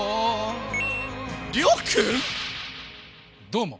どうも！